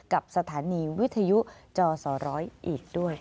กับสถานีวิทยุจสร้อยอีกด้วย